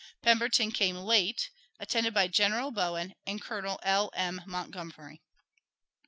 Pemberton came late, attended by General Bowen and Colonel L. M. Montgomery.